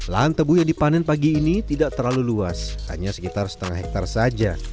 lahan tebu yang dipanen pagi ini tidak terlalu luas hanya sekitar setengah hektare saja